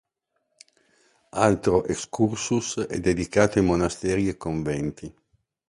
Altro "excursus" è dedicato ai monasteri e conventi.